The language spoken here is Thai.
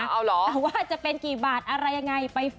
ว่าจะเป็นกี่บาทอะไรไง